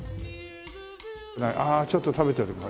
ああちょっと食べてるんだ